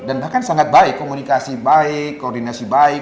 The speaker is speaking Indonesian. dan bahkan sangat baik komunikasi baik koordinasi baik koordinasi baik